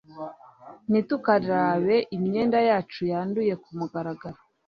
ntitukarabe imyenda yacu yanduye kumugaragaro